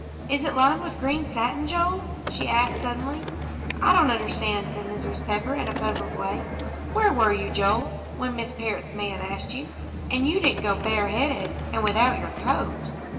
"Is it lined with green satin, Joel?" she asked suddenly. "I don't understand," said Mrs. Pepper, in a puzzled way. "Where were you, Joel, when Miss Parrott's man asked you? And you didn't go bareheaded, and without your coat?"